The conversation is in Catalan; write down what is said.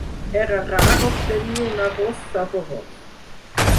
Era rar obtenir un arròs saborós.